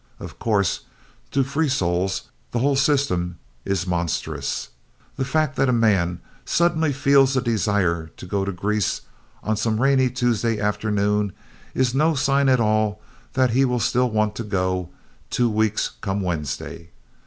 Of course, to free souls the whole system is monstrous. The fact that a man suddenly feels a desire to go to Greece on some rainy Tuesday afternoon is no sign at all that he will still want to go two weeks come Wednesday.